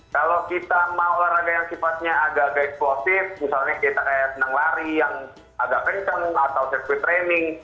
kalau kita mau olahraga yang sifatnya agak agak eksplosif misalnya kita kayak senang lari yang agak kencang atau sirkuit training